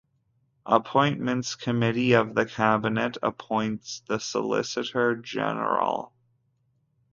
Appointments Committee of the Cabinet appoints the Solicitor General.